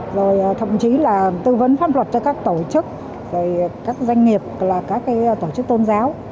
rồi thậm chí là tư vấn pháp luật cho các tổ chức rồi các doanh nghiệp là các tổ chức tôn giáo